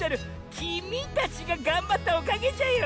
「きみ」たちががんばったおかげじゃよ。